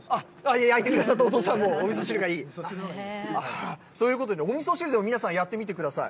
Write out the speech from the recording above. お父さんもおみそ汁がいい？ということでおみそ汁でも皆さん、やってみてください。